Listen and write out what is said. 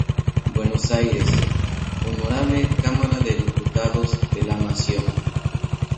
Buenos Aires: Honorable Camara de Diputados de la Nación.